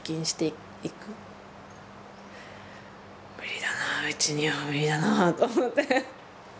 無理だなあうちには無理だなあと思って。